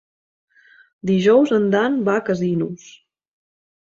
Dijous en Dan va a Casinos.